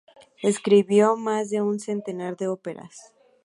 Escribió más de un centenar de óperas.